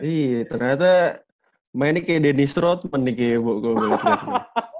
iya ternyata mainnya kayak dennis rodman nih kayak gue lihat lihat